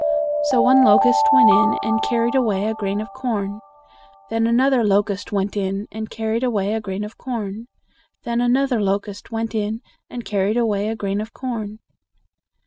So one locust went in and carried away a grain of corn; then another locust went in and carried away a grain of corn; then another locust went in and carried away a grain of corn."